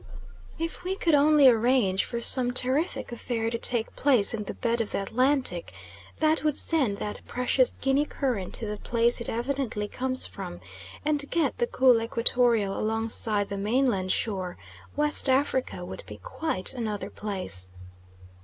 If we could only arrange for some terrific affair to take place in the bed of the Atlantic, that would send that precious Guinea current to the place it evidently comes from, and get the cool Equatorial alongside the mainland shore, West Africa would be quite another place.